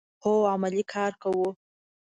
هو، عملی کار کوو